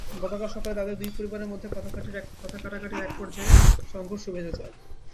গতকাল সকালে তাদের দুই পরিবারের মধ্যে কথা কাটাকাটির একপর্যায়ে সংঘর্ষ বেধে যায়।